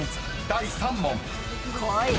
［第３問］